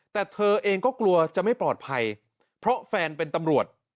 แต่เธอเองก็กลัวจะไม่ปลอดภัยเพราะแฟนเป็นตำรวจ